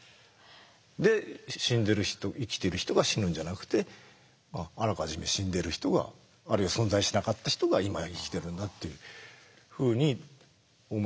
で死んでる人生きてる人が死ぬんじゃなくてあらかじめ死んでる人があるいは存在しなかった人が今生きてるんだっていうふうに思い始めてたんですよね。